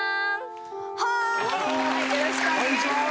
よろしくお願いします。